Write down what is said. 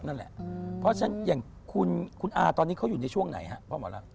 นั่นแหละเพราะฉะนั้นอย่างคุณอาตอนนี้เขาอยู่ในช่วงไหนฮะพ่อหมอรัก